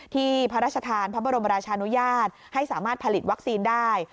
พระราชทานพระบรมราชานุญาตให้สามารถผลิตวัคซีนได้